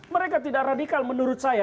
mereka tidak radikal menurut saya